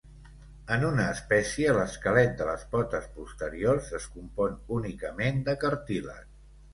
En una espècie, l'esquelet de les potes posteriors es compon únicament de cartílag.